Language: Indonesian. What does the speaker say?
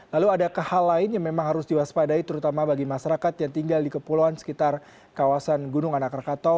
lalu adakah hal lain yang memang harus diwaspadai terutama bagi masyarakat yang tinggal di kepulauan sekitar kawasan gunung anak rakatau